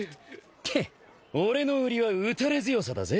ケッ俺の売りは打たれ強さだぜ。